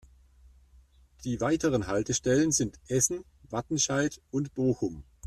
Die weiteren Haltestellen sind Essen, Wattenscheid und Bochum.